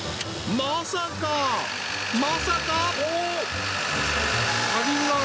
まさかまさか！？